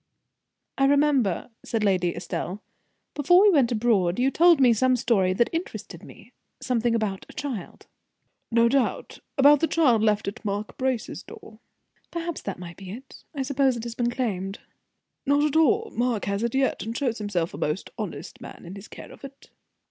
"I remember," said Lady Estelle, "before we went abroad, you told me some story that interested me something about a child " "No doubt about the child left at Mark Brace's door." "Perhaps that might be it. I suppose it has been claimed." "Not at all. Mark has it yet, and shows himself a most honest man in his care of it."